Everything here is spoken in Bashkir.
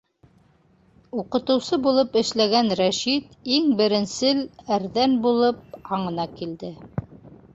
Уҡытыусы булып эшләгән Рәшит иң беренсел әрҙән булып аңына килде: